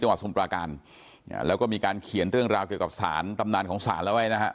สมุปราการแล้วก็มีการเขียนเรื่องราวเกี่ยวกับสารตำนานของศาลแล้วไว้นะฮะ